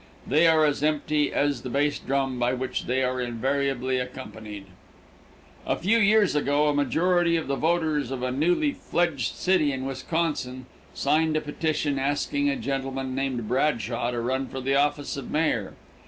They are as empty as the bass drum by which they are invariably accompanied. A few years ago a majority of the voters of a newly fledged city in Wisconsin signed a petition asking a gentleman named Bradshaw to run for the office of mayor.